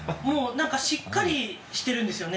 何かしっかりしてるんですよね。